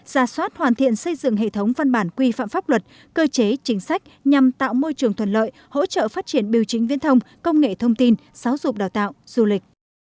ra soát hoàn thiện xây dựng hệ thống văn bản quy phạm pháp luật cơ chế chính sách nhằm tạo môi trường thuận lợi hỗ trợ phát triển biểu chính viên thông công nghệ thông tin giáo dục đào tạo du lịch